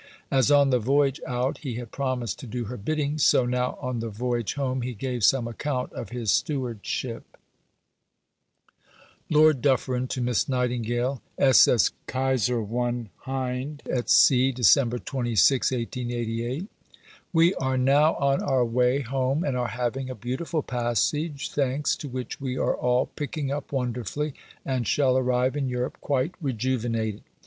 As on the voyage out he had promised to do her bidding, so now on the voyage home he gave some account of his stewardship: (Lord Dufferin to Miss Nightingale.) SS. KAISER I HIND at sea, Dec. 26 . We are now on our way home and are having a beautiful passage, thanks to which we are all picking up wonderfully, and shall arrive in Europe quite rejuvenated.